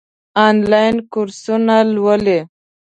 آنلاین کورسونه لولئ؟